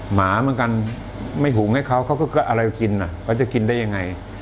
หมาเหมือนกันไม่หุงให้เขาเขาก็อะไรกินเขาจะกินได้ยังไง